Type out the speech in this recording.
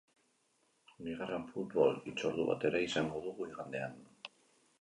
Bigarren futbol hitzordu bat ere izango dugu igandean.